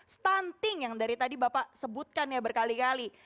stunting yang dari tadi bapak sebutkan ya berkali kali